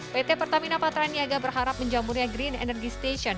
pt pertamina patraniaga berharap menjamurnya green energy station